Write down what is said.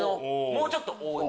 もうちょっと大きい。